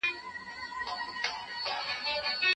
لکه شمع ننېدی ډېر په ضرور سو